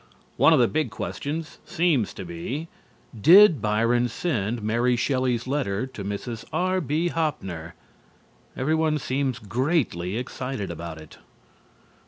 One of the big questions seems to be: Did Byron send Mary Shelley's letter to Mrs. R.B. Hoppner? Everyone seems greatly excited about it.